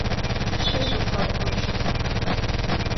Şso şsukhek'oşt.